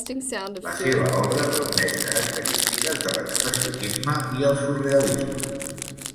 La seva obra reuneix característiques de l'expressionisme i el surrealisme.